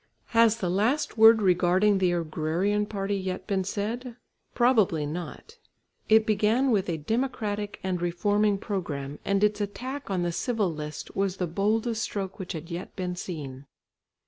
Has the last word regarding the agrarian party yet been said? Probably not. It began with a democratic and reforming programme and its attack on the Civil List was the boldest stroke which had yet been seen.